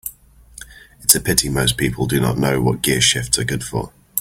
It's a pity most people do not know what gearshifts are good for.